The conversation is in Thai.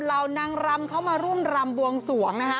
เหล่านางรำเขามาร่วมรำบวงสวงนะคะ